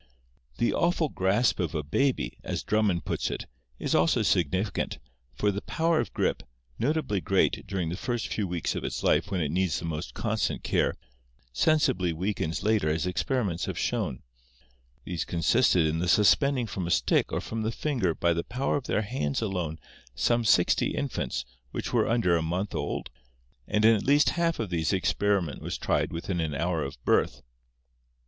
The " awful grasp of a baby," as Drummond puts it, is also signif icant, for the power of gap, notably great during the first few weeks of its life when it needs the most constant care, sensibly weakens later as experiments have shown. These consisted in the suspend ing from a stick or from the finger by the power of their hands alone some sixty infants which were under a month old, and in at least half of these the experiment was tried within an hour of birth.